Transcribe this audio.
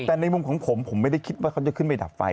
แต่ในมุมของผมผมไม่ได้คิดว่าเขาจะขึ้นไปดับไฟ